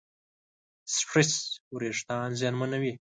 سټرېس وېښتيان زیانمنوي.